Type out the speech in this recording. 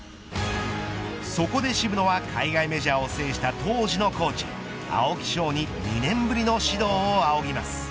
そこで渋野は海外メジャーを制した当時のコーチ、青木翔に２年ぶりの指導をあおぎます。